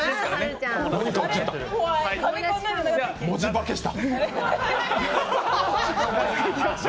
文字化けした？